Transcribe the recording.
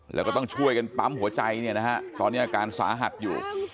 แล้วก็ต้องช่วยกันปั๊มหัวใจเนี่ยนะฮะตอนนี้อาการสาหัสอยู่